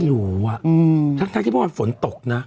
ไม่รู้ว่ะทั้งที่พวกมันฝนตกนะ